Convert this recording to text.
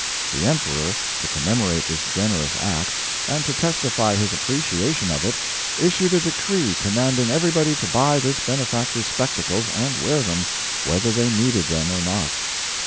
The emperor, to commemorate this generous act, and to testify his appreciation of it, issued a decree commanding everybody to buy this benefactor's spectacles and wear them, whether they needed them or not.